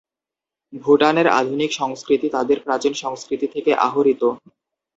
ভুটানের আধুনিক সংস্কৃতি তাদের প্রাচীন সংস্কৃতি থেকে আহরিত।